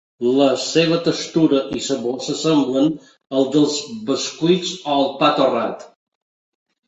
La seva textura i sabor s'assemblen al dels bescuits o al pa torrat.